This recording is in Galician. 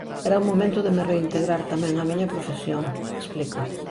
"Era o momento de me reintegrar tamén á miña profesión", explica.